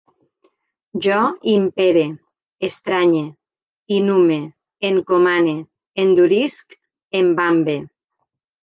Jo impere, estranye, inhume, encomane, endurisc, embambe